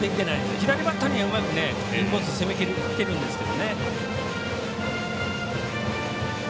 左バッターにはインコース攻め切れてるんですけど。